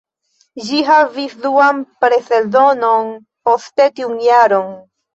Ĝi havis duan preseldonon poste tiun jaron.